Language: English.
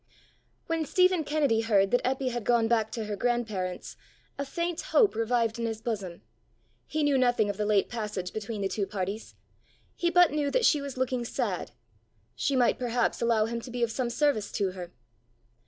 When Stephen Kennedy heard that Eppy had gone back to her grandparents, a faint hope revived in his bosom; he knew nothing of the late passage between the two parties. He but knew that she was looking sad: she might perhaps allow him to be of some service to her!